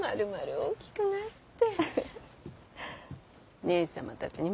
大きくなって。